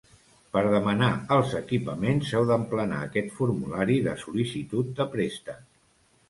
Per demanar els equipaments, heu d'emplenar aquest formulari de sol·licitud de préstec.